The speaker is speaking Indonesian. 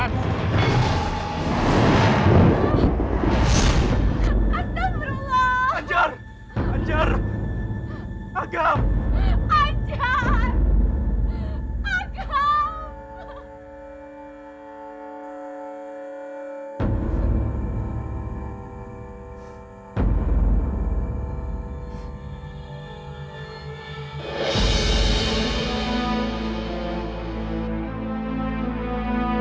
aku akan mengubahmu